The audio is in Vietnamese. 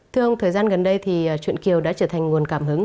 thưa ông thời gian gần đây thì chuyện kiều đã trở thành nguồn cảm hứng